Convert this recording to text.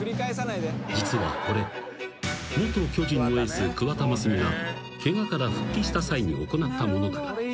［実はこれ元巨人のエース桑田真澄がケガから復帰した際に行ったものだが］